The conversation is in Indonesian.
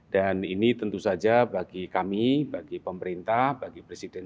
dan ini tentu saja bagi kami bagi pemerintah bagi presiden